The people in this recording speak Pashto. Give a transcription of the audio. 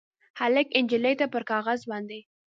هلک نجلۍ ته پر کاغذ باندې